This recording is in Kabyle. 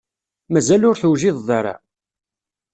Mazal ur tewjiḍeḍ ara?